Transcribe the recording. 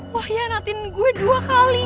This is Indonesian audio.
wah ya natin gue dua kali